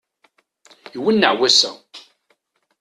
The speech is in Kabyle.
Iwenneɛ wass-a!